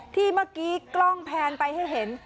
ที่เมื่อกี้กล้องแพนไปให้เห็น